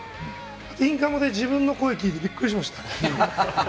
あとインカムで自分の声を聞いてびっくりしました。